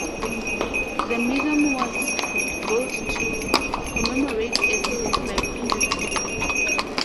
The museum was built to commemorate a visit by Queen Victoria.